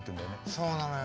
そうなのよ。